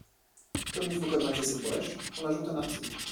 Comme il faut colmater cette brèche, on ajoute un article.